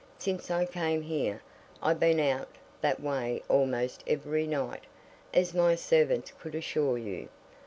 Since I came here, I've been out that way almost every night, as my servants could assure you.